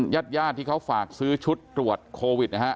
ญาติญาติที่เขาฝากซื้อชุดตรวจโควิดนะฮะ